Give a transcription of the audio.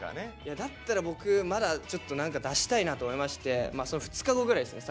だったら僕まだちょっと何か出したいなと思いまして２日後ぐらいですね